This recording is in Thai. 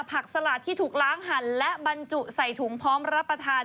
สลาดที่ถูกล้างหั่นและบรรจุใส่ถุงพร้อมรับประทาน